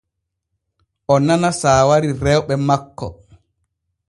O nana saawari rewɓe makko.